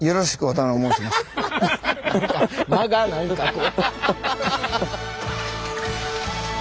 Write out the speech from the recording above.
間が何かこう。